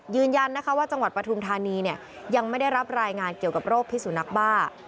ยืนยันนะคะว่าจังหวัดปฐุมธานีเนี่ยยังไม่ได้รับรายงานเกี่ยวกับโรคพิสุนักบ้า